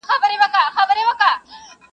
مور مې پۀ دواړه لاسه شپه وه موسله وهله.